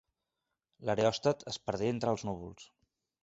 L'aeròstat es perdé entre els núvols.